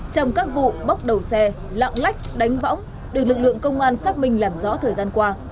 trong các vụ bóc đầu xe lạng lách đánh võng được lực lượng công an xác minh làm rõ thời gian qua